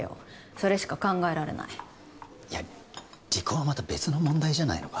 それしか考えられないいや離婚はまた別の問題じゃないのか？